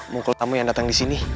mukul tamu yang datang di sini